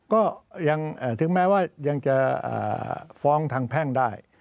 ก็ถึงแม้ว่ายังจะฟ้องทางแพ่งได้